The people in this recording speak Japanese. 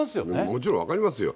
もちろん、分かりますよ。